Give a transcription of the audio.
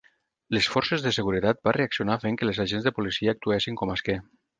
Les forces de seguretat va reaccionar fent que les agents de policia actuessin com a esquer.